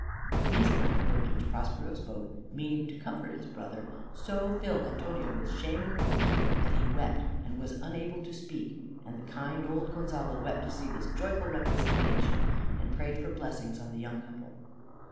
These kind words which Prospero spoke, meaning to comfort his brother, so filled Antonio with shame and remorse, that he wept and was unable to speak; and the kind old Gonzalo wept to see this joyful reconciliation, and prayed for blessings on the young couple.